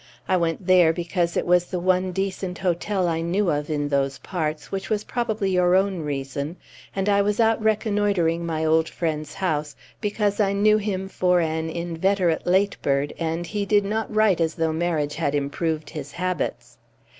I went there because it was the one decent hotel I knew of in those parts, which was probably your own reason, and I was out reconnoitring my old friend's house because I knew him for an inveterate late bird, and he did not write as though marriage had improved his habits.